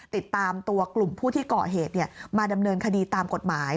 ติดตามตัวกลุ่มผู้ที่ก่อเหตุมาดำเนินคดีตามกฎหมาย